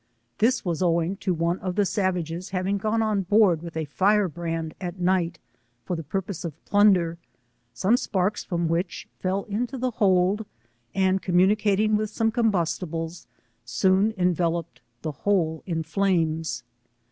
This was owing to one of the savages having gone on board with a fire brand at night ^ the purpose of plunder, som^ 47 sparks from which fell into the hold, and comiuiz cicating with some combustibles, soon enveloped the whole in flames.